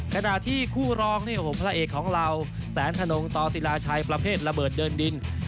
ขณะที่คู่รองพระเอกของเราแสนธนงต่อศิลาชัยประเภทระเบิดเดินดิน